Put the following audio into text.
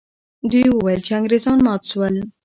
دوی وویل چې انګریزان مات سول.